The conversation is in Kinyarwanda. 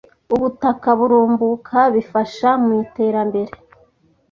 ubutaka burumbuka bifasha mu iterambere